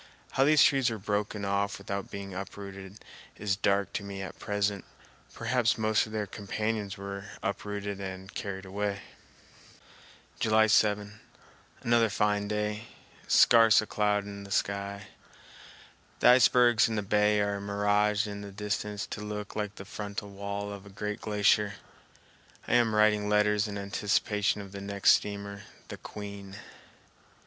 How these trees were broken off without being uprooted is dark to me at present. Perhaps most of their companions were up rooted and carried away. [Illustration: Ruins of Buried Forest, East Side of Muir Glacier.] July 7. Another fine day; scarce a cloud in the sky. The icebergs in the bay are miraged in the distance to look like the frontal wall of a great glacier. I am writing letters in anticipation of the next steamer, the Queen.